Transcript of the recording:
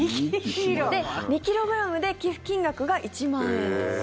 ２ｋｇで寄付金額が１万円。